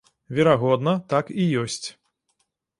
Верагодна, так і ёсць.